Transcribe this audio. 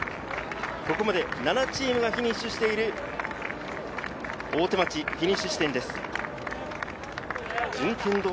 ここまで７チームがフィニッシュしている大手町フィニッシュ地点です。